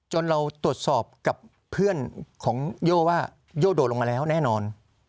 เราตรวจสอบกับเพื่อนของโย่ว่าโย่โดดลงมาแล้วแน่นอน